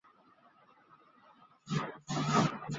云桂虎刺为茜草科虎刺属下的一个种。